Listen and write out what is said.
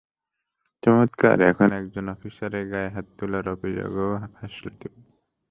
চমৎকার, এখন একজন অফিসারের গায়ে হাত তোলার অভিযোগেও ফাঁসলে তুমি!